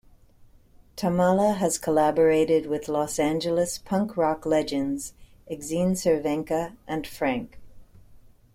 Tamala has collaborated with Los Angeles punk-rock legends, Exene Cervenka and Phranc.